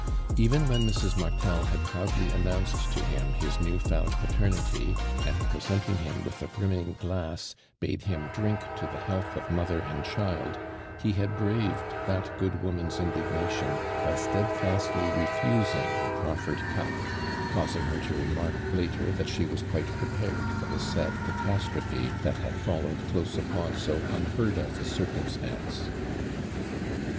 Even when Mrs. Martel hatl proudly an nounced to him his new found paternity, and presenting him with a brimning glass, bade him drink to the health of mother and ihild, he ha«l bravcnl that good woman's indignation by steadfastly refusing the proft'ered cup, causing her to remark later that she was quite prepared for the sad catastrophe that had followed close upon so unhearil of a circumstance.